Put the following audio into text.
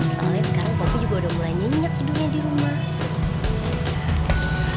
soalnya sekarang kopi juga udah mulai nyenyak tidurnya di rumah